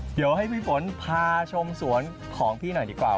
เดี๋ยวให้พี่ฝนพาชมสวนของพี่หน่อยดีกว่า